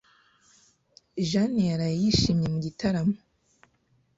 Jane yaraye yishimye mu gitaramo?